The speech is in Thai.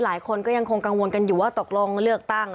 หลายคนก็ยังคงกังวลกันอยู่ว่าตกลงเลือกตั้ง